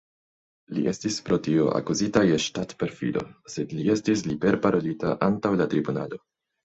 Li estis pro tio akuzita je ŝtat-perfido, sed li estis liber-parolita antaŭ la tribunalo.